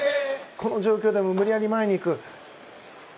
この状況でも無理やり前に行く。